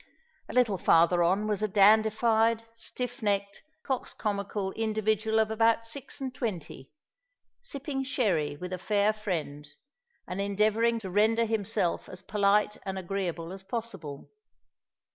A little farther on was a dandified, stiff necked, coxcomical individual of about six and twenty, sipping sherry with a fair friend, and endeavouring to render himself as polite and agreeable as possible.